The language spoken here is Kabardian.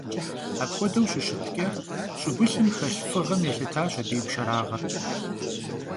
Apxuedeu şışıtç'e, ş'ıgulhım xelh fığem yêlhıtaş abı yi pşşerağır.